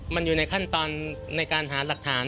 มันอยู่ในขั้นตอนในการหาหลักฐาน